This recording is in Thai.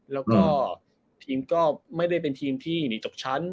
แล้วก็ทีมก็ไม่ได้เป็นทีมที่หนีตกชั้น